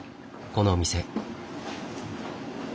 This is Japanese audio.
このお店。